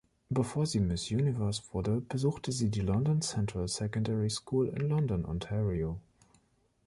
Bevor sie Miss Universe wurde, besuchte sie die London Central Secondary School in London, Ontario.